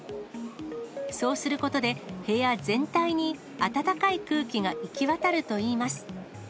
そうすることで、部屋全体に暖かい空気が行き渡るといいます。